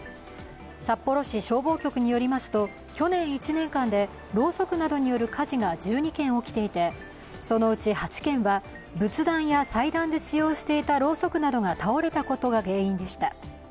札幌市消防局によりますと、去年１年間でろうそくなどによる火事が１２件起きていてそのうち８件は仏壇や祭壇で使用していたろうそくなどが倒れたことが原因でした。